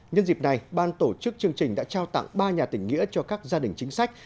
nhân dịp này ban tổ chức chương trình đã trao tặng ba nhà tỉnh nghĩa cho các gia đình chính sách